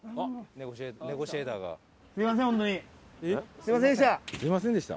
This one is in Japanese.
すみませんでした。